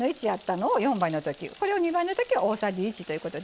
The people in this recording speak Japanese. これを２倍のときは大さじ１ということで倍にして下さい。